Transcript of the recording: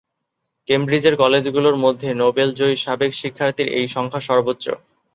কেমব্রিজের কলেজগুলোর মধ্যে নোবেলজয়ী সাবেক শিক্ষার্থীর এই সংখ্যা সর্বোচ্চ।